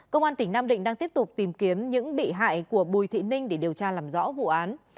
công an tỉnh nam định đang tiếp tục tìm kiếm những bị hại của bùi thị ninh để điều tra làm rõ vụ án